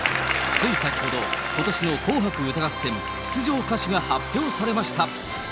つい先ほど、ことしの紅白歌合戦出場歌手が発表されました。